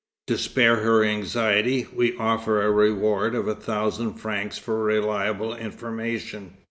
To spare her anxiety, we offer a reward of a thousand francs for reliable information.